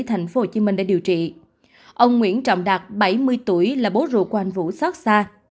thành phố hồ chí minh để điều trị ông nguyễn trọng đạt bảy mươi tuổi là bố rùa của anh vũ xót xa